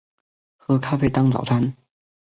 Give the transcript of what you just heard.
喝咖啡当早餐